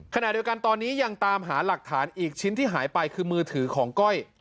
ขณะเดียวกันตอนนี้ยังตามหาหลักฐานอีกชิ้นที่หายไปคือมือถือของก้อย